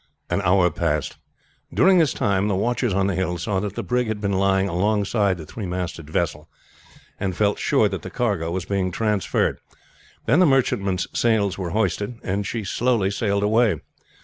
An hour passed. During this time the watchers on the hill saw that the brig had been lying alongside the three masted vessel, and felt sure that the cargo was being transferred, then the merchantman's sails were hoisted, and she slowly sailed away.